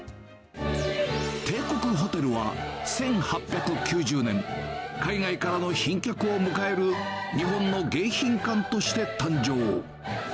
帝国ホテルは１８９０年、海外からの賓客を迎える日本の迎賓館として誕生。